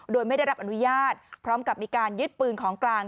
โดยไม่ได้รับอนุญาตพร้อมกับมีการยึดปืนของกลาง